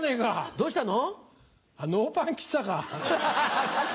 どうしたの？